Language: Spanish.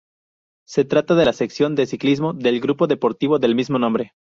Se trata de la sección de ciclismo del grupo deportivo del mismo nombre.